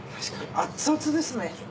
熱々ですね。